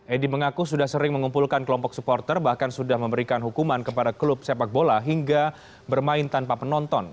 edi mengaku sudah sering mengumpulkan kelompok supporter bahkan sudah memberikan hukuman kepada klub sepak bola hingga bermain tanpa penonton